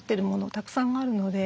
たくさんあるので。